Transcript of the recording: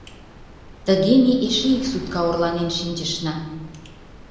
Тыге ме эше ик сутка орланен шинчышна.